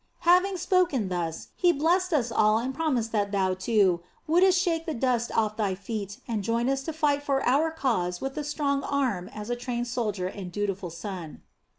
"Having spoken thus, he blessed us all and promised that thou, too, wouldst shake the dust from off thy feet, and join us to fight for our cause with a strong arm as a trained soldier and a dutiful son.